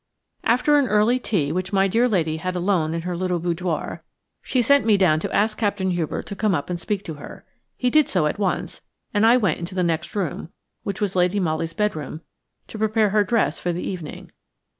After an early tea, which my dear lady had alone in her little boudoir, she sent me down to ask Captain Hubert to come up and speak to her. He did so at once, and I went into the next room–which was Lady Molly's bedroom–to prepare her dress for the evening.